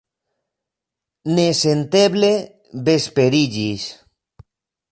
Nesenteble vesperiĝis.